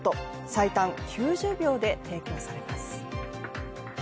最短９０秒で提供されます。